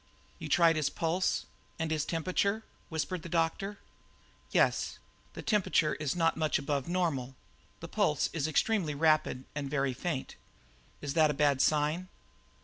"You tried his pulse and his temperature?" whispered the doctor. "Yes. The temperature is not much above normal, the pulse is extremely rapid and very faint. Is that a bad sign?"